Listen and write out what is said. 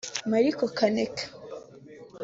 Mariko Kaneka